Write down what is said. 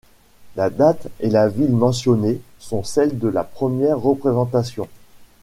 La date et la ville mentionnées sont celles de la première représentation.